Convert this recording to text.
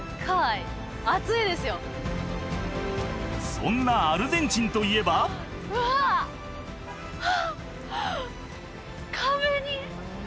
そんなアルゼンチンといえばうわあ！